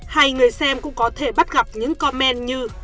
hay người xem cũng có thể bắt gặp những comment như